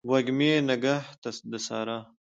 وږمې نګهت د سارا